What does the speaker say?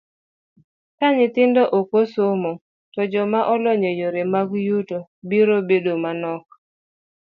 Ka nyithindo ok osomo, to joma olony e yore mag yuto biro bedo manok.